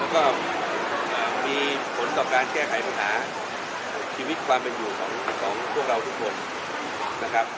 แล้วก็มีผลต่อการแก้ไขปัญหาชีวิตความเป็นอยู่ของพวกเราทุกคนนะครับ